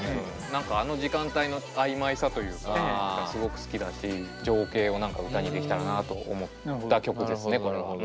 何かあの時間帯のあいまいさというかすごく好きだし情景を何か歌にできたらなと思った曲ですねこれは。